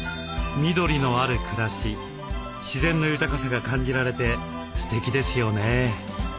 緑のある暮らし自然の豊かさが感じられてすてきですよね。